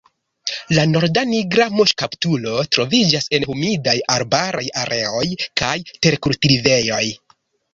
La Norda nigra muŝkaptulo troviĝas en humidaj arbaraj areoj kaj terkultivejoj.